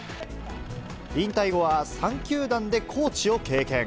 引退後は３球団でコーチを経験。